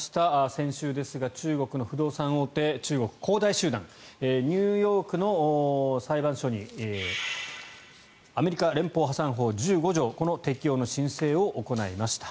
先週ですが、中国の不動産大手中国恒大集団ニューヨークの裁判所にアメリカ連邦破産法１５条の適用申請を行いました。